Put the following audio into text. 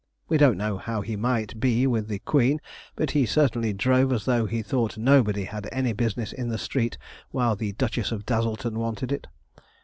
We don't know how he might be with the queen, but he certainly drove as though he thought nobody had any business in the street while the Duchess of Dazzleton wanted it.